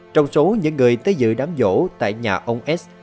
trong số những người tới giữ đám dỗ tại nhà ông s